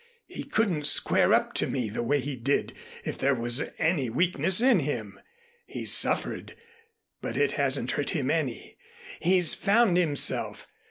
He couldn't square up to me the way he did if there was any weakness in him. He's suffered, but it hasn't hurt him any. He's found himself.